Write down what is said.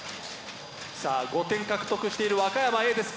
さあ５点獲得している和歌山Ａです。